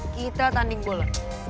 kita tanding bola